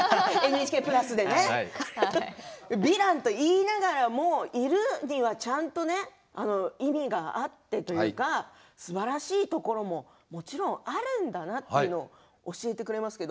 ヴィランと言いながらもいるにはちゃんと意味があってすばらしいところももちろんあるんだなということを教えてくれますね。